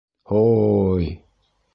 — Һо-о-ой!